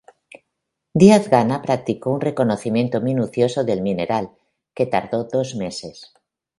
Díaz Gana practicó un reconocimiento minucioso del mineral, que tardó dos meses.